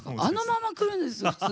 あのまま来るんですよ